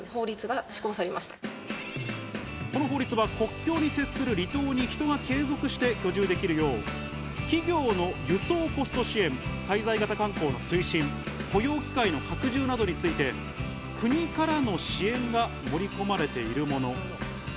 この法律は国境に接する離島に人が継続して居住できるよう企業の輸送コスト支援、滞在型観光の推進、雇用機会の拡充などについて国からの支援が盛り込まれているもの。